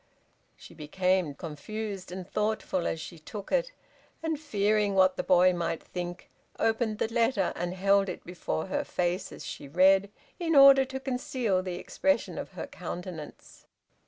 She became confused and thoughtful as she took it, and fearing what the boy might think, opened the letter and held it before her face as she read, in order to conceal the expression of her countenance.